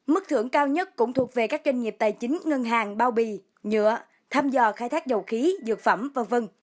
mức thưởng cao nhất cũng thuộc về các doanh nghiệp tài chính ngân hàng bao bì nhựa thăm dò khai thác dầu khí dược phẩm v v